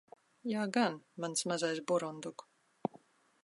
Jā gan, mans mazais burunduk.